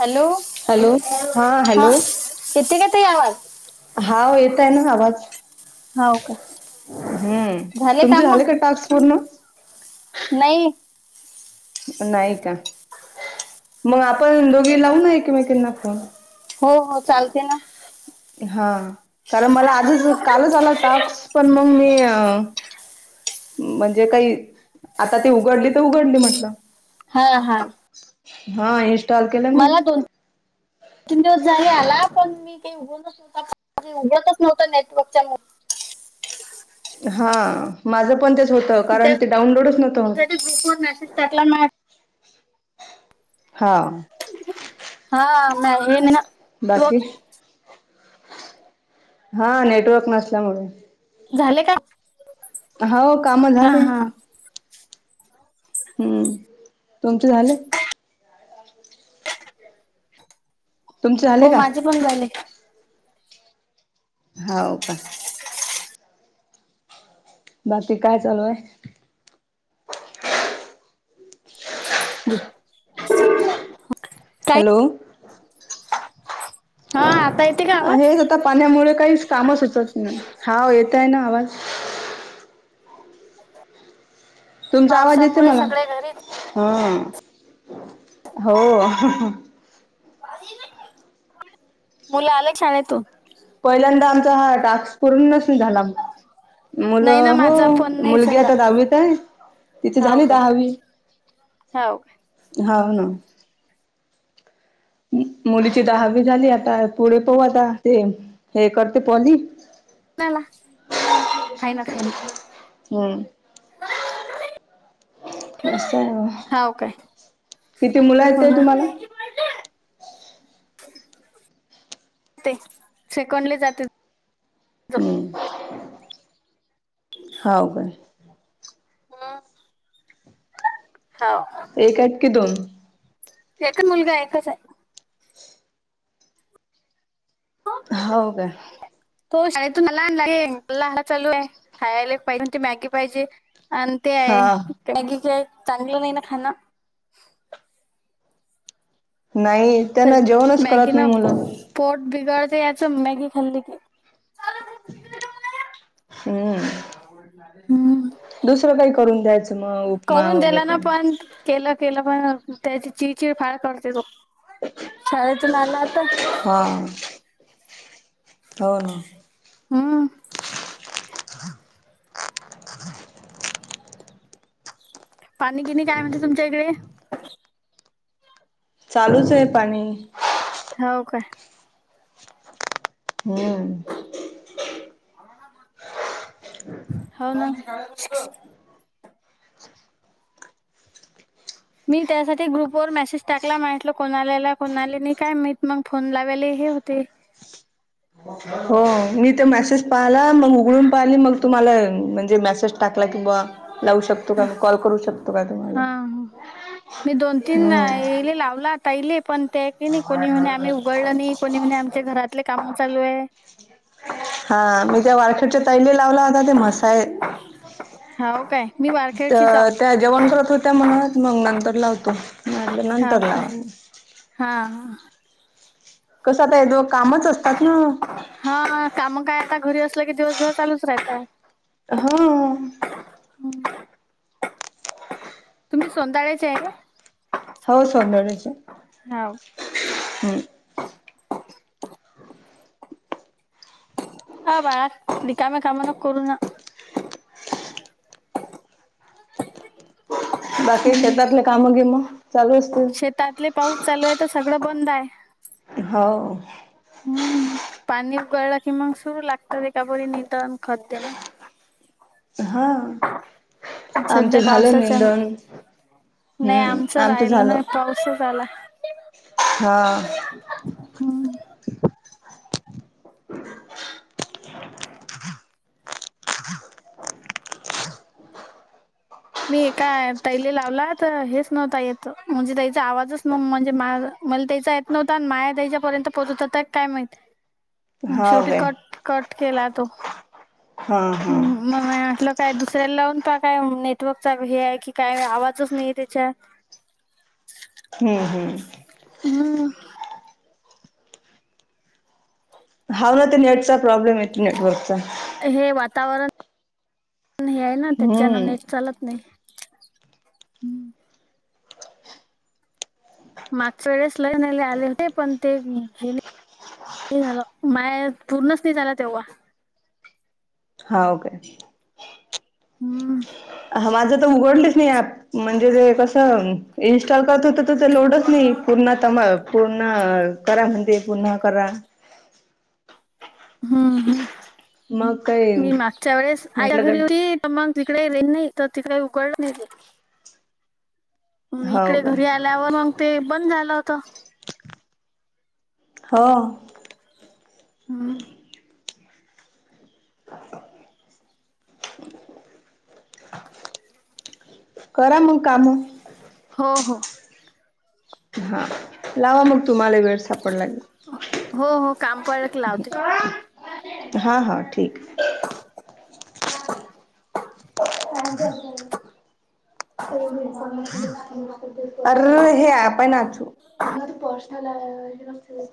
Hello hello हा hello येते का ते आवाज हाव येतय ना आवाज हो का हम्म तुमचे झाले का टास्क पूर्ण नाही नाही का मग आपण दोघी लावूनय किवा केना फोन हो हो चालते ना हा कारण मला आजच कालच आला टाक्स पण मग मी अ म्हणजे काही आता ती उघडली तर उघडली म्हटलं हा हा हा केलं मी मला दोन तीन दिवस झाले आला पण मी काही घच्हताणे उघडतच नव्हत नेटवर्कच्या हा माझं पण तेच होतं कारण ते डाउनलोडच नव्हतं सेज टाकला ना हा हा म हेन ना बाकी नेटवर्क हा नेटवर्क नसल्यामुळे झाले का हो काम हा झाले हा हम्म तुमचं झाले तुमचे झाले हो का माझे पण झाले हो का बाकी काय चालूय हम स का हॅलो हा आता येते कावा हेच आता पाण्यामुळे काही कामच सुचत नाही हा येतय ना आवाज तुमचा आवाज येते पावसामुळे मला सगळे घरीच हा हो मुलं आलग छान येतो पहिल्यांदा आमचा हा टास्क पर्ण झाला नाही ना मुलं हो माझा पण नाही मुलगी झाला आता दहावीत आहे तिथे झाली दहावी हव होा ना मुलीची दहावी झाली आता पुढे पाहू आता ते हे करते पाली कोणाला खाय ना खाय ना हम्म अस सं जा काय हो ना तुम्हाला शिकोणले जाते तो. हम्म होा का हम् होा एक आठ की दोन एकच मुलगा एककाच आहे हो का तो शाळेतून लहानग लला चालू आहे खायला पाहिजे त मॅगी पाहिजे आणि ते हा आहे का की काय चांगलं नाही ना खाण नाही तर त्यांना जेवणच मॅगी करत नाही ना मुलं पोट बिघडते याचं मॅगी खाल्ली की हम् हम् दुसरं काही करून द्यायचं मग उपमा करून दिलं वगैरे ना पण केलं केलं पण त्याची चिड चिड फार करते तो शाळेतून आला आता हां होन हम् पाणी गिणी काय म्हणजे तुमच्या इकडे चालूच आहे पाणी हो काय हम्म हो ना मी त्यासाठी ग्रुपवरर मेसेज टाकला म्हटलं कोणाल्याला कोणाले नाही काय मी मग फोन लावाले हे होते हो मी ते मेसेज पाहिला मग उघडून पाहिली मग तुम्हाला म्हणजे मेसेज टाकला की बावा लावू शकतो हा का म कॉल करू शकतो काय तुम्हाला हा. हम् ही लावला ताहिले पण ते की नाही कोणी म्हणे आम्ही उगळलं नाही कोणी म्हणे आमचे घरातले काम चालू ये हा मी ज वाटच्या तैली लावला होता ते मसाय खाऊ काय मी वारखेडचीच तर हाव त्या जेवण करत हो त्या म्हणत मग नंतर लावतो मी म्हटलं हाव नंतर काय लावा हा ह कसं काय दो कामच असतात ना हा काम काय आता घरी असलं की दिवसभर चालूच राहयत हं हम्म तुम्ही सोध्याळे्याचे आहे का हौ सौंदरयचे न्हाव. हम्. अ बाळ रिकाम्या कामा न करू ना. [inaudible] बाकी हम्म. शेतातले काम गेम चालू असतील. इथले पाऊस चालू हाय तर सगळं बंद हाय. हव. हम्म पाणी उकळलकी की मग सुरू लागत विटागोळी नितन खत देणं. हा सध्या आमचे झाले पावसाच्या निंदन नाही हम्म आमचं राहिलं झालं. नाही पाऊसच आला. हा. ह ह. [unintelligible] मी एका तैले लावला तर हेच नव्हता येत म्हणजे तैईचा आवाजच न म्हणजे माझ मला त्याचा येत नव्हता आणि माया त्याच्यापर्यंत पोहोचत होता तर काय माहित. [unintelligible] हाव शेवटी काय कंट कंट केला तो हा हा. मग म्हटलं काय दुसऱ्याला लावून टाय काय नेटवर्कचा हे आहे की काय आवाजच नाहीे तेच्यात हम्म हम्म. हम्म. हा ना ते नेटचा प्रॉब्लेम येत नेटवर्कचा हे वातावरण हे आहे ना त त्यांच्यान हम्म नेट चालत नाही. यम मागच्या वेळेस लय जने आले होते पण ते गेले. ते झालं माया पूर्णच नाहींच झाला तेव्हा हाऊ काय? हम्म. ह माझं तर उघडलंच नाही ऍप म्हणजे जे ते कसं इन्स्टॉल करत होत. तर लोडच नाही पूर्ण तम पूर्ण करा म्हणतेे पुन्हा करा. हम्म ह मग काय मी मागच्या वेळेस आईच्या म्हटलं घरी काय होती. मग तिकडे रेंज नाही का तिकडे उघड न मी हो इकडे का घरी आले. झाल्यावर मग ते बंद झालं होत. हो. हा. [unintelligible] करा मग काम हो हो. हा. लावा मग तुम्हाला वेळ सापडला की हो हो काम पडलं की लावते कॉल. हा हा ठीक. [unintelligible] [unintelligible] अरे हे आपण नाचू. [unintelligible]